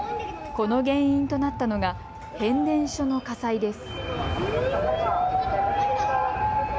この原因となったのが変電所の火災です。